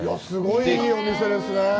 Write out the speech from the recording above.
すごい、いいお店ですね。